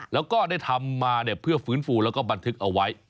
แล้วก็ได้ทำมาเพื่อฟื้นฟูแล้วก็บันทึกเอาไว้